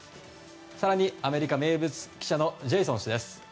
更にアメリカ名物記者のジェイソン氏です。